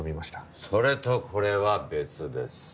それとこれは別です。